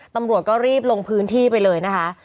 ตำรวจก็รีบลงพื้นที่ไปเลยนะคะ